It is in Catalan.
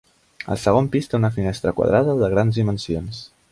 El segon pis té una finestra quadrada de grans dimensions.